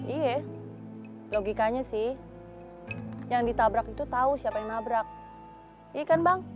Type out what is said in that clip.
iye logikanya sih yang ditabrak itu tau siapa yang nabrak iya kan bang